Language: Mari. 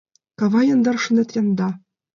Кава яндар, Шонет, янда.